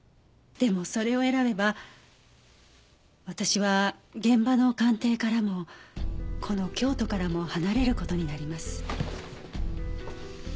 でもそれを選べば私は現場の鑑定からもこの京都からも離れる事になります。